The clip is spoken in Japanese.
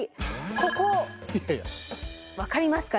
ここ分かりますか？